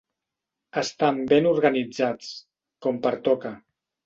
Estan ben organitzats, com pertoca.